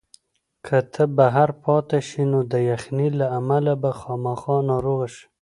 که ته بهر پاتې شې نو د یخنۍ له امله به خامخا ناروغه شې.